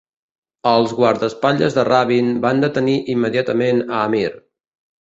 Els guardaespatlles de Rabin van detenir immediatament a Amir.